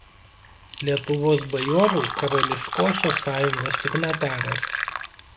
Lietuvos bajorų karališkosios sąjungos signataras.